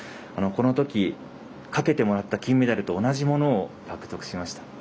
このとき、かけてもらった金メダルと同じものを獲得しました。